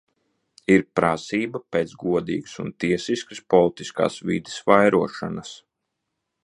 Ir prasība pēc godīgas un tiesiskas politiskās vides vairošanas.